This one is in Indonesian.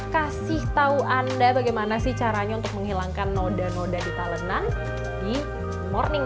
kasih tahu anda bagaimana sih caranya untuk menghilangkan noda noda di talenan di morning